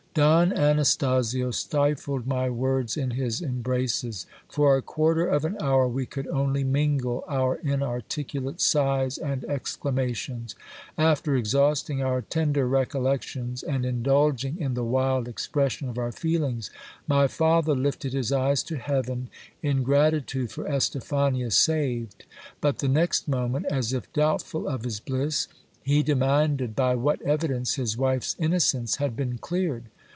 Don Anastasio stifled my words in his embraces. For a quarter of an hour we could only mingle our inarticulate sighs and exclamations. After exhausting our tender recollections, and indulging in the wild expression of our feelings, my father lifted his eyes to heaven, in gratitude for Estephania saved ; but the next moment, as if doubtful of his bliss, he demanded by what evidence his wife's innocence had been cleared.